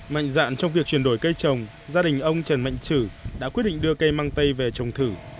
mạnh dạn trong việc chuyển đổi cây trồng gia đình ông trần mạnh chử đã quyết định đưa cây mang tây về trồng thử